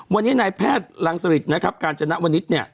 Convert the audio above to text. วันนี้นายแพทย์รังสริตนะครับกาญจนวนิษฐ์เนี่ย